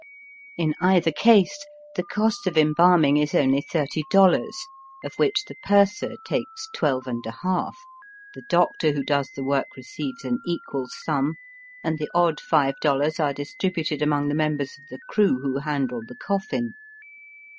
In either case the cost of embalming is only thirty dollars, of which the purser takes twelve and a half, the doctor who does the work re ceives an equal sum, and the odd five dollars are distributed among the members of the crew who handle the coffin.